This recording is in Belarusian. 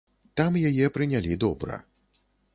Там яе прынялі добра.